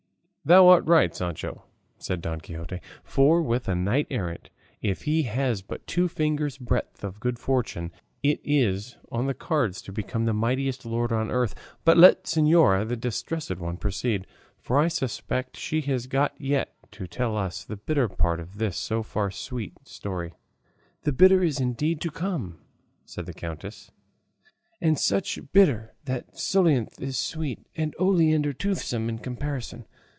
"Thou art right, Sancho," said Don Quixote, "for with a knight errant, if he has but two fingers' breadth of good fortune, it is on the cards to become the mightiest lord on earth. But let señora the Distressed One proceed; for I suspect she has got yet to tell us the bitter part of this so far sweet story." "The bitter is indeed to come," said the countess; "and such bitter that colocynth is sweet and oleander toothsome in comparison.